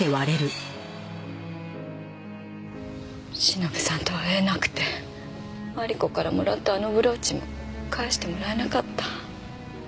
忍さんと会えなくてマリコからもらったあのブローチも返してもらえなかった。